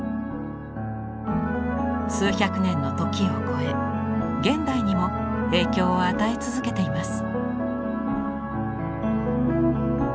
数百年の時を超え現代にも影響を与え続けています。